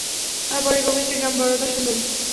পরেশবাবুর স্ত্রীর নাম বরদাসুন্দরী।